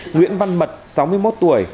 nguyễn văn mật sáu mươi một tuổi